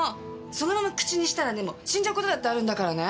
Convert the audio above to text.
そのまま口にしたらね死んじゃうことだってあるんだからね！